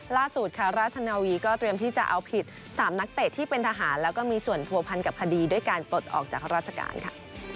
ล่าสุดค่ะราชนาวีก็เตรียมที่จะเอาผิด๓นักเตะที่เป็นทหารแล้วก็มีส่วนผัวพันกับคดีด้วยการปลดออกจากราชการค่ะ